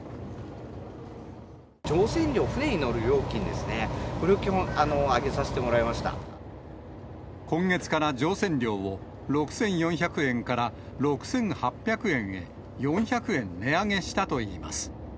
乗船料、船に乗る料金ですね、これを基本、今月から乗船料を６４００円から６８００円へ、４００円値上げしたといいます。